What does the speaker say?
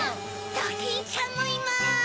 ドキンちゃんもいます。